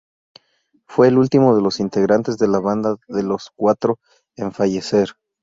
Fue el último de los integrantes de la "Banda de los Cuatro" en fallecer.